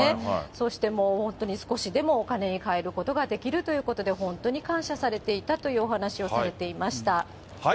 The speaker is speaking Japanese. そしてもう、本当に少しでもお金に換えることができるということで、本当に感謝されていたというお話をされていました。